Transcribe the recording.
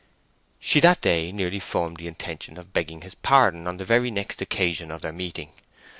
She that day nearly formed the intention of begging his pardon on the very next occasion of their meeting.